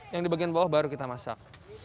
yang di bagian bawah baru kita masak